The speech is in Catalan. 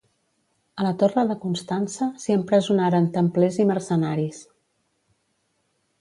A la torre de Constança, s'hi empresonaren templers i mercenaris.